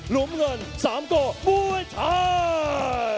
ลุ่มเงินสามโกมวยไทย